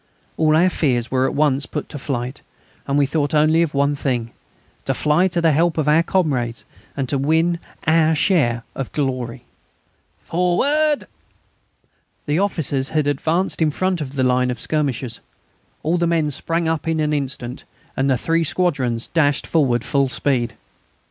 All our fears were at once put to flight, and we thought only of one thing; to fly to the help of our comrades and win our share of glory. "Forward!" The officers had advanced in front of the line of skirmishers. All the men sprang up in an instant, and the three squadrons dashed forward full speed.